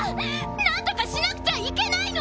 なんとかしなくちゃいけないの！